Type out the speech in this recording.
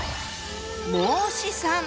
孟子さん！